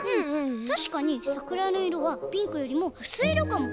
たしかにさくらのいろはピンクよりもうすいいろかも。